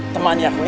teman ya aku ya